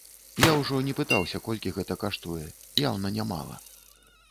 Я ўжо не пытаўся, колькі гэта каштуе, яўна не мала.